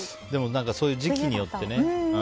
そういう時期によってね。